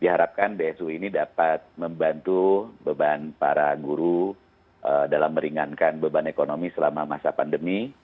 diharapkan bsu ini dapat membantu beban para guru dalam meringankan beban ekonomi selama masa pandemi